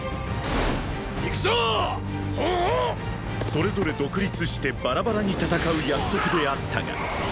それぞれ独立してバラバラに戦う約束であったがーー。